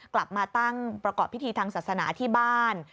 กลับมาตั้งประกอบพิธีทางศาสนาที่บ้าน